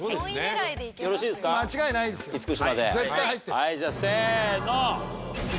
はいじゃあせーの。